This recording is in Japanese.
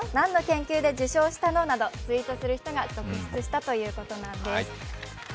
何で受賞したの？とツイートする人が続出したということなんです。